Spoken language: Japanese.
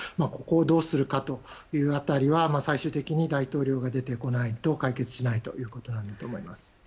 ここをどうするかという辺りは最終的に大統領が出てこないと解決しないと思います。